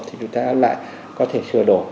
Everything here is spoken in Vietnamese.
thì chúng ta lại có thể sửa đổi